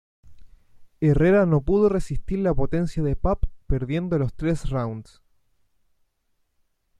Herrera no pudo resistir la potencia de Papp perdiendo los tres rounds.